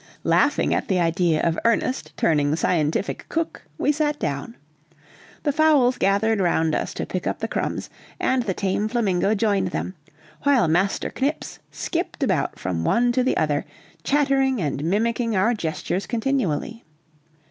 Laughing at the idea of Ernest turning scientific cook, we sat down. The fowls gathered round us to pick up the crumbs, and the tame flamingo joined them, while Master Knips skipped about from one to the other, chattering and mimicking our gestures continually.